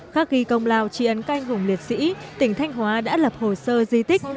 khắc ghi công lao tri ấn canh hùng liệt sĩ tỉnh thanh hóa đã lập hồ sơ di tích